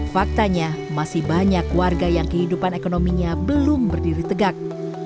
faktanya masih banyak warga yang kehidupan ekonominya belum berdiri tegak